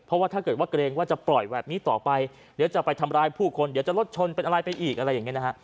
เพราะว่าถ้าเกิดว่าเกรงว่าจะปล่อยแบบนี้ต่อไปเดี๋ยวจะไปทำร้ายผู้คนเดี๋ยวจะรถชนเป็นอะไรไปอีกอะไรอย่างนี้นะฮะ